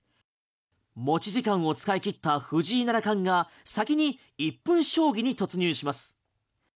持ち時間を使い切った藤井七冠が先に１分将棋に突入します。